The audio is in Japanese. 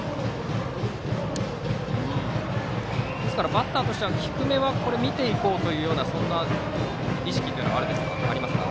バッターとしては低めは見ていこうというそんな意識というのがありますか。